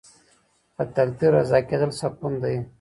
په تقدیر رضا کیدل سکون دی.